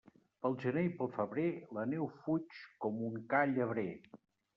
Pel gener i pel febrer, la neu fuig com un ca llebrer.